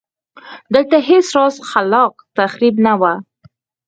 دلته هېڅ راز خلاق تخریب نه و